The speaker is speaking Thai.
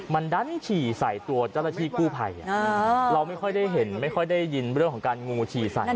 มันดันฉี่ใส่ตัวเจ้าหน้าที่กู้ภัยเราไม่ค่อยได้เห็นไม่ค่อยได้ยินเรื่องของการงูฉี่ใส่